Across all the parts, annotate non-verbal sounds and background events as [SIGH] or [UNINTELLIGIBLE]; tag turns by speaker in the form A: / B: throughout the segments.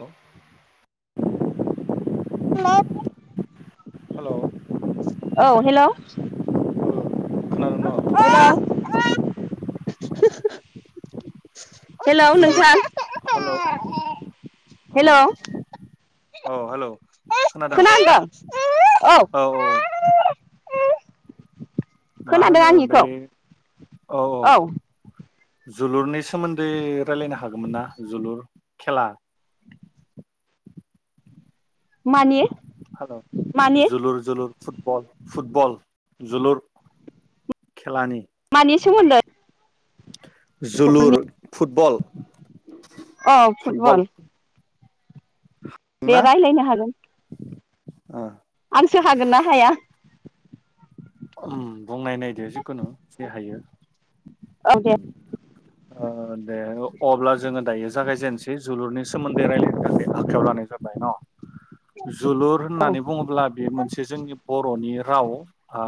A: ओ
B: hello
A: hello
B: औ hello
A: खोनादों न?
B: [UNINTELLIGIBLE] हेलौ
A: जोलुर
B: नोंथां
A: हेल' औ
B: हेलौ
A: औ हेलौ।
B: खोनांदों? औ।
A: मा
B: खोनादों
A: होनो बै
B: आंनिखौ
A: औ औ। जोलुरनि सोमोन्दै रायलायनो हागोमोन ना जोलुर खेला।
B: मानि
A: हेलौ
B: मानि
A: जुलुर जोलुर फुटबल। फुटबल जोलुर खेलानि।
B: मानि सोमोन्दै? अ
A: जोलुर फुटबल फुटबल। ना
B: दे रायलायनो हागोन।
A: ओ
B: आंसो हागोन ना हाया।
A: उम बुंनाय नायदो जिखुनु जे हायो।
B: औ दे
A: उज्ञ ओ दे अब्ला जोङो दायो जागायजेन बे जोलुरनि सोमोन्दै रायलायनो थाखाय आखायाव लानाय जाबाय न। जुलुर
B: औ
A: होननानै बुङोब्ला बे मोनसे जोंनि बर'नि राव ओ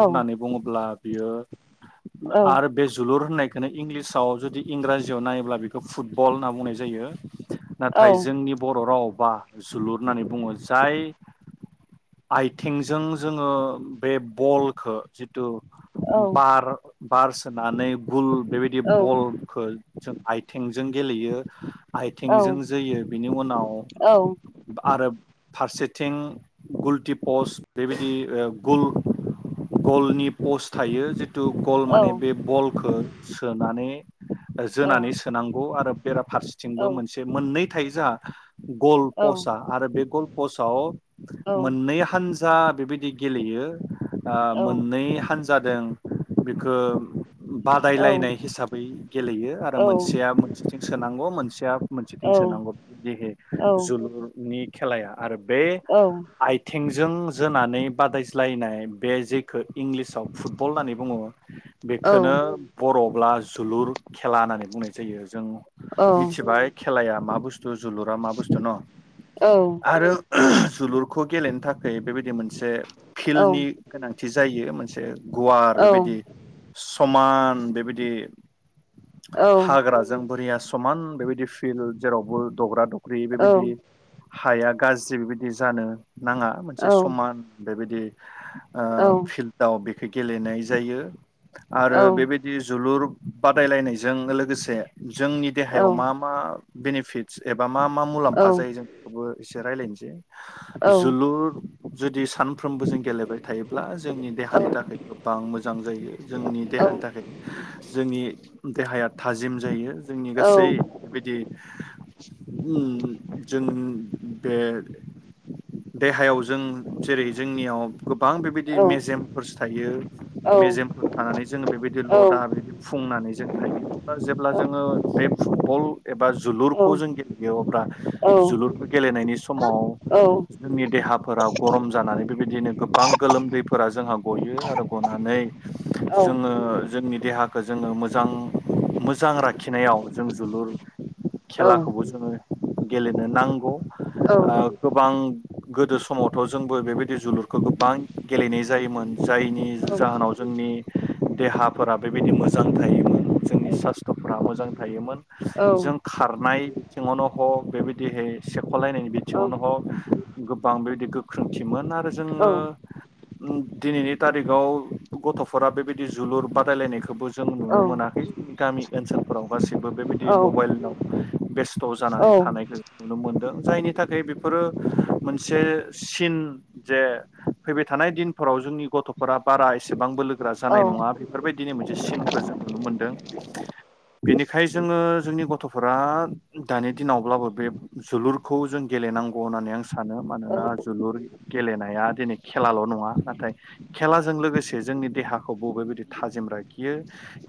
B: औ
A: होननानै बुङोब्ला बियो
B: औ
A: आरो बे जोलुर होननायखोनो इंलिसाव जुदि इंराजीयाव नायोब्ला बेखौ फुटबल होनना बुंनाय जायो।
B: औ
A: नाथाय जोंनि बर' रावाव बा जोलुर होननानै बुङो। जाय आइथिंजों जोङो बे बलखो जिथु
B: औ
A: बार बार सोनानै गुल बेबायदि बलखौ जों आइथें जों गेलेयो
B: औ
A: आइथेंजों जोयो बिनि उनाव आरो फारसेथिं गुल्टि पस्ट बेबायदि ओ गुल गलनि पस्ट थायो जे थु गल
B: औ
A: माने बे बल खो सोनानै जोनानै सोनांगौ आरो
B: औ
A: बेराफारसेथिंबो मोनसे मोननै थायजा। गल
B: औ
A: पसा आरो बे कल पसाव
B: औ
A: मोननै हानज जा बिबायदि गेलेयो। आ
B: औ
A: मोननै हानज जादों बेखौ बादायलायनाय हिसाबै गेलेयो आरो मोनसेया मोनसेथिं सोनांगौ मोन सेया मोनसेथिं
B: औ
A: सोनांगौ जेहे जोलुरनि खेलाया आरो बे आइथिं ज जों जोनानै बादायस्लायनाय बे जेखो इंलिसाव फुटबल होननानै बुङो बेखोनो बर'ब्ला जोलुर खेला होननानै बुंनाय जायो। जों मिथिबाय खेलाया मा बुस्थ? थु जोलुरा मा बुस्थु न आरो जोलुरखौ गेलेनो थाखाय बेबायदि मोनसे फिल्डनि गोनां थि जायो मोनसे गुवार
B: औ
A: बेबायदि समान बेबायदि
B: औ
A: हाग्राजों बोरिया समान बेबायदि फिल्ड जेरावबो दग्रा दं। दै
B: नंगौ औ
A: बिबादि हाया गाज्रि बेबायदि जानो नाङा मोनसे समान बेबायदि ओ
B: औ
A: फिल्डआव बेखो गेलेनाय जायो।
B: औ
A: आरो बेबायदि जोलुर बादायलायनायज जों लोगोसे जोंनि देहायाव मा मा बेनिफिटस एबा मा मा मुलाम्फा जायो जोंखौबो एसे रायलायनोसै। जोलुर जुदि सान फ्रोमबो जों गेलेबाय थायोब्ला जोंनि देहानि थाखाय गोबां मोजां जायो जोंनि देहानि थाखाय जोंनि दे हाया थाजिम जायो। जोंनि गासै बेदि उम जों बे देहायाव जों जेरै जोंनियाव गोबां बेबायदि मेजेमफोरस थायो मेजेमफोर थानानै जोङो बेबायदि लदा बेबायदि फुंनानै जों थायो जेब्ला जोङो बे फुटबल एबा जोलुरखौ जों गेलेयो अब्ला जोलुरखौ गेलेनायनि समाव जोंनि देहा फोरा गरम जानानै बेबायदिनो गोबां गोलोमदैफोरा जोंहा गयो आरो गनानै जोङो जोंनि देहाखौ जोङो मोजां, मोजां राखिनायाव जों जोलुर खेलाखौबो जोङो गेलेनो नांगौ। ओ गोबां गोदो समावथ' जोंबो बेबाय दि जोलुरखौ गोबां गेलेनाय जायोमोन जायनि जाहोनाव जोंनि देहाफोरा बेबायदि मोजां थायोमोन जोंनि सास्थ'फ्रा मोजां थायोमोन। जों खारनाय बिथिङावनो हग बेबायदिहे सेख' लायनायनि बिथिङावनो हग गोबां बेबायदि गोख्रोंथिमोन आ जोङो दिनैनि थारिगाव गथफोरा बेबायदि जोलुर बादायलायनायखौबो जों नुनो मोनाखै गामि ओनसोलफोराव गासै बो बेबायदि मबाइलाव बेस थ' जानानै थानायखौ नुनो मोन्दों। जायनि थाखाय बेफोरो मोनसे सिन जे फैबाय थानाय दिनफोराव जोंनि गथ'फोरा बारा एसेबां बोलो गोरा जानाय नङा बेफोरबायदिनो मोनस सिनखौ जों नुनो मोनदों बेनिखाय जोङो जोंनि गथ'फोरा दानि दिनावब्लाबो बे जोलुरखौ जों गेलेनांगौ होननानै आं सानो मानोना जोलुर गेलेनाया दिनै खेलाल' नङा नाथाय खेलाजों लोगोसे जोंनि देहाखौ बबेबायदि थाजिम राखियो।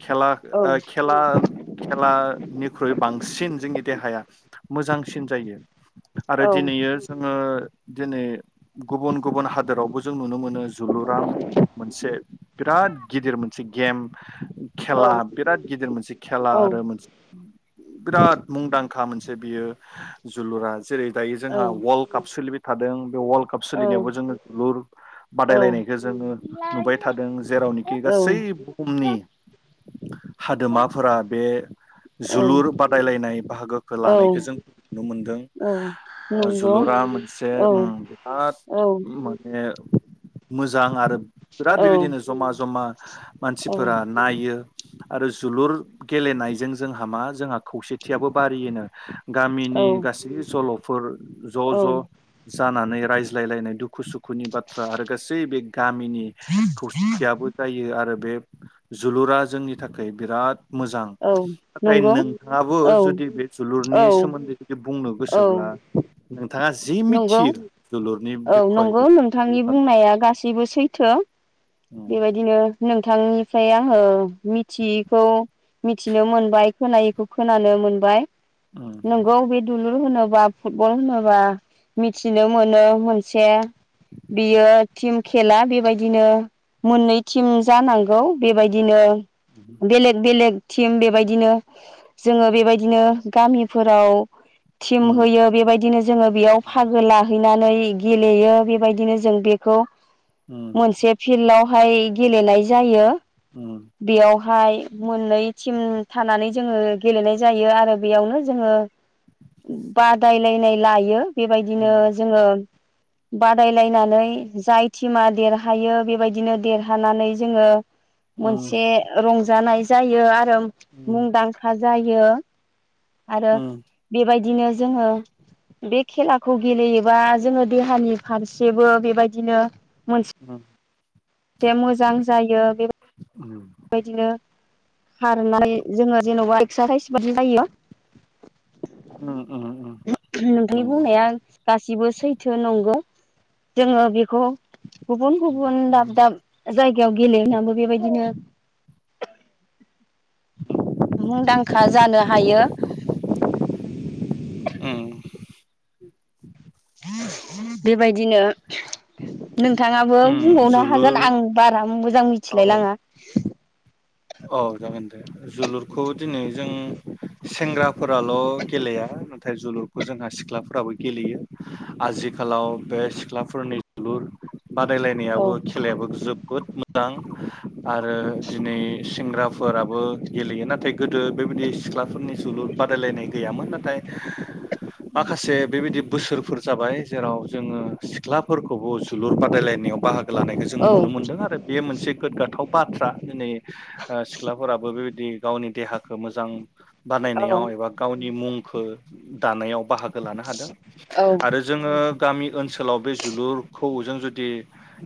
A: खेला ओ खेला खेलानिख्रुइ बांसिन जोंनि देहाया मोजांसिन जायो। आरो दिनैयै जोङो दिनै गुबुन गुबुन हादोरावबो जों नुनो मोनो जोलुरा मोनसे बिराद गिदिर मोनसे गेम खेला बिराद गिदिर मोनसे खेला आरो मोनसे बिराद मुंदांखा मोनसे बियो जोलुरा जेरै दायो जोंहा वर्ल्ड काप सोलिबाय थादों बे वाल कप सोलिनायावबो जोङो जोलुर बादायलायनायखौ जोङो नुबाय थादों। जेरावनोखि गासै बुहुमनि हादोमाफोरा बे जोलुर बादायलायनाय बाहागो। लानायखौ जों नुनो मोनदों ओ जोलुरा मोनसे उम बिराद माने मोजां आरो बिराद बिबायदिनो जमा जमा मानसिफोरा नायो आरो जोलुर गेलेनायजों जोंहा मा जोंहा खौसेथियाबो बारियोनो गामिनि गासै जलफोर ज ज
B: औ
A: जानानै रायज्लायलायनाय दुखु सुखुनि बाथ्रा आरो गासै बे गामिनि खौसेथियाबो जायो आरो बे जोलुरा जोंनि थाखाय बिराद मोजां नाथाय
B: नंगौ
A: नोंथाङाबो
B: औ
A: जुदि बे
B: औ
A: जोलुरनि सोमोन्दै जुदि बुंनो
B: औ
A: गोसोब्ला नोंथाङा जि
B: नंगौ
A: मिथियो जोलुरनि
B: औ
A: बिखय
B: नंगौ
A: बेखौ
B: नोंथांनि बुंनाया गासैबो सैथो।
A: उम
B: बेबायदिनो नों थांनिफ्राय आङो मिथियैखौ मिथिनो मोनबाय खोनायैखौ खोनानो मोनबाय
A: उम
B: नोंगौ बे दुलुर होनोब्ला फुटबल होनोबा मिथिनो मोनो। मोनसे बियो टिम खेला बेबायदिनो मोननै टिम जानांगौ बेबायदिनो। बेलेग बेलेग। टिम बेबायदिनो जोङो बेबायदिनो गामिफोराव। थिम होयो बेबायदिनो जोङो बेयाव फागो लाहैनानै। गेलेयो बेबायदिनो जों बेखौ
A: नंगौ
B: मोनसे फिल्डाव। बेहाय गेलेनाय जायो। बेयाव बेहाय मोननै टिम थानानै जोङो गेलेनाय जायो आरो बेयावनो जोङो बादायलायनाय लायो। बेबायदिनो जोङो। बादायलायनानै जाय टिमा देरहायो बेबायदिनो देरहानानै जोङो। मोनसे रंजानाय जायो आ योम मुंदांखा जा यो। आरो बेबाय दिनो जोङो बे खेलाखौ गेलेयोबा जोङो देहानि फारसेबो बेबायदिनो।
A: उम।
B: जे मोजां
A: उम।
B: बायदिनो खारनानै जोङो जेनेबा एक्सारसाइज बादि जायो। नोंथांनि बुंनाया गासिबो सैथो नंगौ। जोङो बे खौ गुबुन गुबुन दाब दाब जायगायाव गेलेहैनांगौ बेबायदिनो। मुंदांखा जानो हायो।
A: उम।
B: बेबायदिनो। नोंथाङाबो बुंबावनो हागोन
A: जोलुर
B: आं बारा मोजां
A: औ
B: मिथिलायलाङा।
A: औ जागोन दे। जोलुरखौ दिनै जों सेंग्राफोराल' गेलेया नाथाय जोलुरखौ जोंहा सिख्लाफोराबो गेलेयो आजिखालाव बे सिख्लाफोरनि जोलुर
B: औ
A: बादायलायनायाबो खेलायाबो जोब बोद मोजां आरो दिनै सेंग्राफोराबो गेलेयो नाथाय गोदो बेबायदि सिख्लाफोरनि जोलुर बादायलायनाय गैयामोन नाथाय माखासे बेबायदि बोसोरफोर जाबाय जेराव जोङो सिख्लाफोरखौबो जोलुर बादायलायनायाव बाहागो लानायखौ जों
B: औ
A: नुनो मोन्दों आरो बेयो मोनसे गोग्गाथाव बाथ्रा। दिनै ओ सिख्लाफोराबो बेबायदि गावनि देहाखौ मोजां
B: औ
A: बानायनायाव एबा गावनि मुं खो दानायाव बाहाग लानो हादों
B: औ
A: आरो जोङो गामि ओनसो लाव बे जोलुरखौ जों जुदि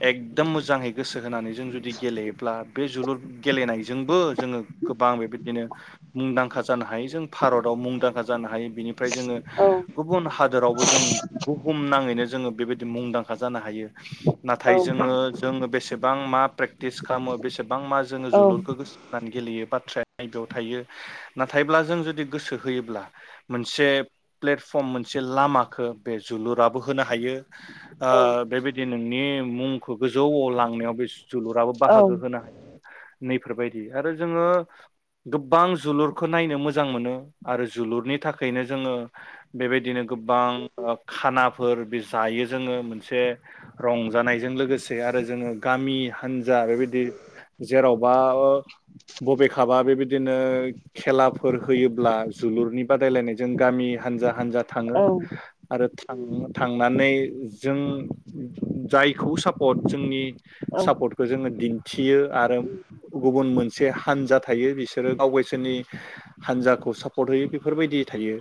A: एकदम मोजाङै गोसो होनानै जों जुदि गेलेयोब्ला बे जोलुर गेलेनायजोंबो जोङो गोबां बेबायदिनो मुंदांखा जानो हायो। जों भारतआव मुंदांखा जानो हायो बिनिफ्राय जोङो गुबुन हादोरावबो जों बुहुम नाङैनो जोङो बेबायदि मुंदांखा जानो हायो। नाथाय
B: औ
A: जोङो जोङो बेसेबां मा प्रेक तिस खामो बेसेबां मास जोङो
B: औ
A: जोलुरखो गोस होना गेलेयो बाथ्राया नै बेयाव थायो नाथायब्ला जों जुदि गोसो होयोब्ला मोनसे प्लेटफर्म मोनसे लामाखो बे जोलुराबो होनो हायो।
B: नंगौ औ
A: ओ बेबायदि नोंनि मुंखो गोजौआव लांनायाव बे जोलुराबो बाहागो होनो हायो। नैफोरबायदि आरो जोङो गोबां जोलुरखो नायनो मोजां मोनो आरो जोलुरनि थाखायनो जोङो बेबायदिनो गोबां ओब खानाफोर बे जायो जोङो मोनसे रंजानायजों लोगोसे आरो जोङो गामि हान्जा बेबायदि। जेरावबा बबेखाबा बेबायदिनो खेलाफोर होयोब्ला जोलुरनि बादायलायनायजों गामि हान्जा हान्जा थाङो आरो थांङो थांनानै जों जायखौ सापर्ट जोंनि सापर्टखौ जोङो दि थियो आरो गुबुन मोनसे हानजा थायो बिसोरो गावगैसोरनि हानजाखौ सापर्ट होयो बेफोरबायदि थायो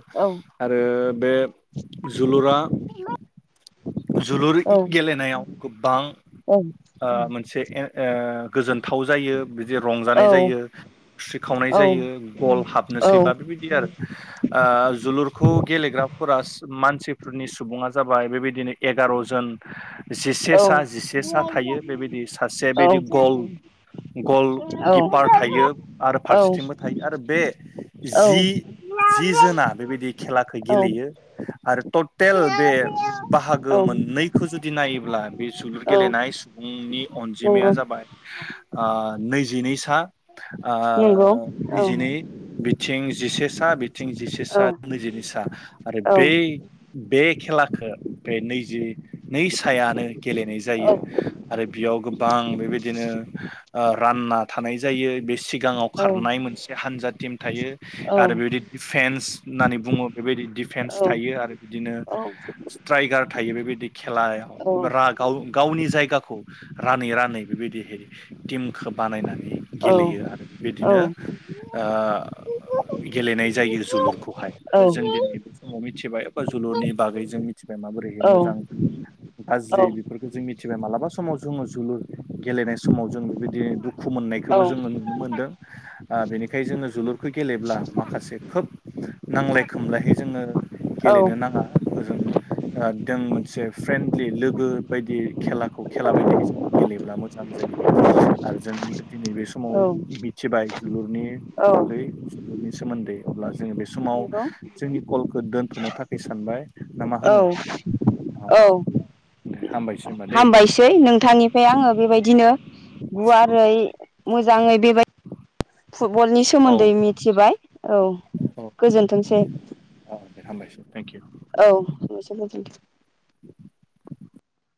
A: आरो बेब जोलुरा जोलुर इद गेलेनायाव गोबां ओ मोन से ए ओ गोजोनथाव जायो। बिदि रंजानाय जायो सो खावनाय जायो गल हाबनोसैबा बेबायदि आरो ओ जोलुरखौ गेलेग्रा फोरास मानसिफोरनि सुबुङा जाबाय बेबायदिनो एगार'जन जिसे से सा जिसे सा थायो बेबायदि सासे बेदि उम गल गिपार थायोब आरो फारसेथिंबो थायो आरो बे जि जि जोना बेबायदि खेलाखो गेलेयो। आरो टटेल बे बाहागो मोननैखो जुदि नायोब्ला बे जोलुर
B: औ
A: गेलेनाय सुबुंनि
B: औ
A: अनजिमाया जाबाय आ नैजि दिनैसा
B: नंगौ औ
A: ओ नैजिनै बिथिं जिसेसा बिथिं
B: औ
A: जिसे सा नैजिनै सा आरो बै बे खेलाखो बे नैजि नै सायानो गेलेनाय जायो आरो बेयाव गोबां बेबायदि बिदिनो ओ रानना थानाय जायो। बे सि गाङाव खारनाय मोनसे हानजाद थायो। आरो बेबायदि दिफेन्स होननानै बुङो बेबायदि दिफेन्स थायो आरो बिदिनो स्ट्राइगार थायो बेबायदि खेलायाव रा गाव गावनि जायगाखौ रानै रान बेबायदिहाय टिमखौ बानायनानै गेलेयो आरो बिदिनो ओ गेलेनाय जायो जोलुरखौहाय आरो जों दिनै बे समाव मिथिबाय बा जोलुरनि बागै जों मिथिबाय माबोरैहाय मोजां गाज्रि बेफोरखौ जों मिथिबाय। मालाबा समाव जुङो जोलुर गेलेनाय समाव जों बेबायदि दुखु मोननायखौबो जोङो नुनो मोनदों। ओ बेनिखायनो जोङो जोलुरखौ गेलेब्ला माखासे खोब नांलाय खोमलायहै जोङो गेलेनो नाङा ओजों दों मोन फ्रेन्डलि लोगो बायदि खेलाखौ खेला बायदि गेलेयो। मोजां जायो आरो जों दिनै बे समाव मिथिबाय जोलुरनि बागै ज सोमोन्दै अब्ला जोङो बे समाव जोंनि कलखौ दोन्थ'नो थाखाय सानबाय ना मा होनो? अ
B: हामबायसै नोंथांनिफाय आङो बेबायदिनो गुवारै मोजाङै बेबायदि [INAUDIBLE] फुटबलनि
A: औ
B: सोमोन्दै मिथिबाय। औ
A: औ
B: गोजोनथोंसै।
A: दे हामबायसै थेंक इउ
B: औ से गोजोनथों।
A: [UNINTELLIGIBLE]